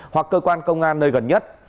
hoặc cơ quan công an nơi gần nhất